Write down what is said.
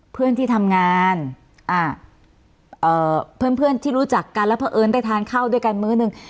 เพื่อนที่ทำงานเพื่อนที่รู้จักกันแล้วพอเอิ้นได้ทานข้าวด้วยกันเมื่อนึง